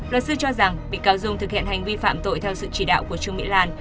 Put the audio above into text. luật sư cho rằng bị cáo dung thực hiện hành vi phạm tội theo sự chỉ đạo của trương mỹ lan